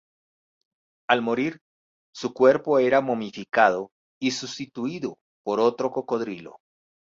Al morir, su cuerpo era momificado y sustituido por otro cocodrilo.